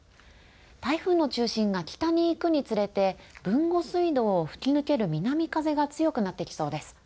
台風の中心が北にいくにつれて豊後水道を吹き抜ける南風が強くなってきそうです。